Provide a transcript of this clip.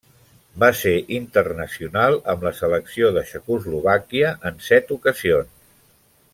Va ser internacional amb la selecció de Txecoslovàquia en set ocasions.